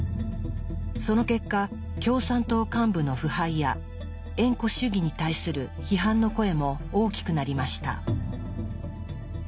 その結果共産党幹部の腐敗や縁故主義に対する批判の声も大きくなりました。